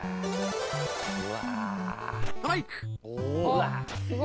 うわ。